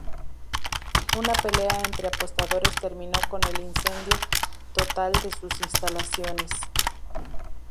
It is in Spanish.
Una pelea entre apostadores terminó con el incendio total de sus instalaciones.